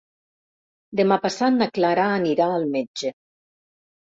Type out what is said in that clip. Demà passat na Clara anirà al metge.